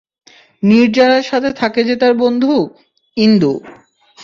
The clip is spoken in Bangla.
নির্জারার সাথে থাকে যে তার বন্ধু, ইন্দু।